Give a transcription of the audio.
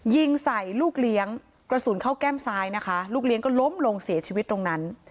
ยิงใส่ลูกเลี้ยงกระสุนเข้าแก้มซ้ายนะคะลูกเลี้ยงก็ล้มลงเสียชีวิตตรงนั้น